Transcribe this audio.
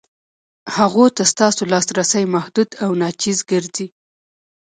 هغو ته ستاسو لاسرسی محدود او ناچیز ګرځي.